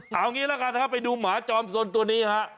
เอาอย่างนี้ล่ะครับไปดูหมาจอมสนตัวนี้ค่ะ